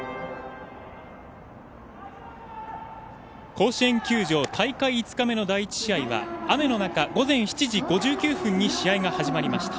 甲子園球場、大会５日目の第１試合は雨の中午前７時５９分に試合が始まりました。